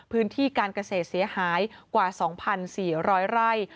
พื้นที่การเกษตรเสียหายกว่า๒๔๐๐ไร่